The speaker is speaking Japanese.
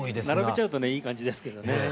並べちゃうとねいい感じですけどね。